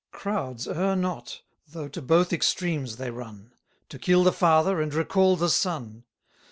Crowds err not, though to both extremes they run; To kill the father, and recall the son.